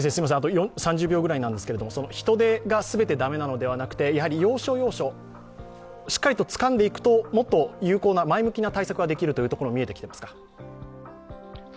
人出が全てダメなのではなく、要所要所しっかりつかんでいくともっと有効な前向きな対策ができるというところは見えていますか？